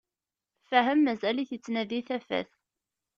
Fahem mazal-t yettnadi tafat.